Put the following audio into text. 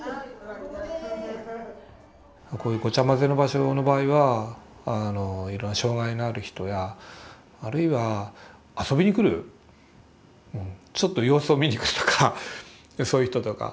こういうごちゃまぜの場所の場合はあのいろんな障害のある人やあるいは遊びに来るちょっと様子を見に来るとかそういう人とか。